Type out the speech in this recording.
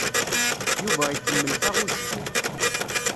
Yuba ikemmel taɣuzi.